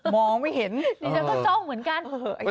มองไม่เห็นดิฉันก็จ้องเหมือนกัน